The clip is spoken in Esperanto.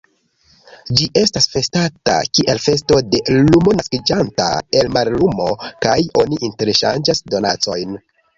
Ĝi estas festata kiel festo de lumo naskiĝanta el mallumo, kaj oni interŝanĝas donacojn.